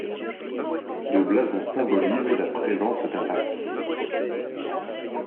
Le blason symbolise la présence d'un lac.